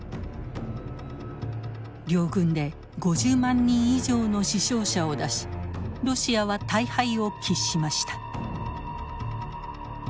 両軍で５０万人以上の死傷者を出しロシアは大敗を喫しました。